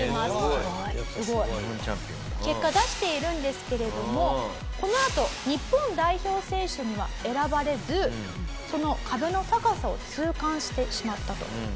すごい！日本チャンピオン。結果出しているんですけれどもこのあと日本代表選手には選ばれずその壁の高さを痛感してしまったと。